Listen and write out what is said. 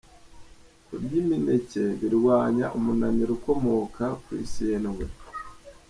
Kurya imineke birwanya umunaniro ukomoka ku isindwe .